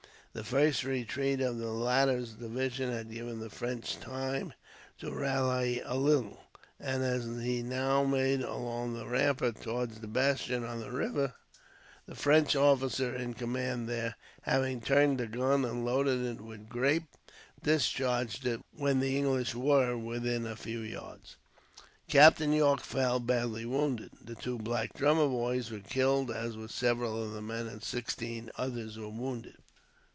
The first retreat of the latter's division had given the French time to rally a little, and as he now made along the rampart towards the bastion on the river, the French officer in command there, having turned a gun and loaded it with grape, discharged it when the English were within a few yards. Captain Yorke fell, badly wounded. The two black drummer boys were killed, as were several of the men, and sixteen others were wounded.